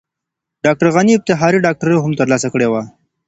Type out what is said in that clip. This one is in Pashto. ډاکټر غني افتخاري ډاکټرۍ هم ترلاسه کړې دي.